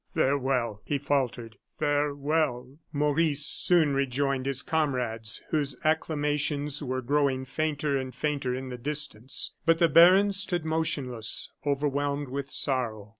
"Farewell!" he faltered, "farewell!" Maurice soon rejoined his comrades, whose acclamations were growing fainter and fainter in the distance; but the baron stood motionless, overwhelmed with sorrow.